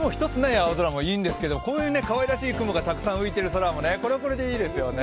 青空もいいんですけどこういうかわいらしい雲がたくさん浮いている空もこれはこれでいいですよね。